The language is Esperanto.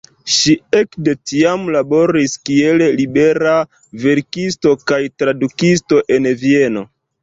Ŝi ekde tiam laboris kiel libera verkisto kaj tradukisto en Vieno.